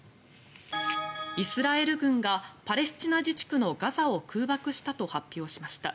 イスラエル軍がパレスチナ自治区のガザを空爆したと発表しました。